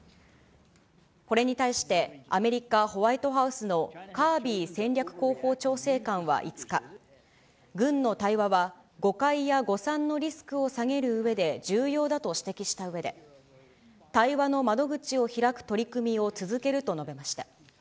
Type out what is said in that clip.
これに対して、アメリカ、ホワイトハウスのカービー戦略広報調整官は５日、軍の対話は、誤解や誤算のリスクを下げるうえで重要だと指摘したうえで、対話の窓口を開く取り組みを続けると述べました。